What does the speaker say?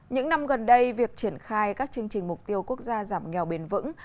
những năm gần đây việc triển khai các chương trình mục tiêu quốc gia giảm nghèo bền vững